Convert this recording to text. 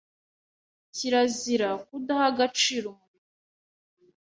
Kirazira kudaha agaciro umurimo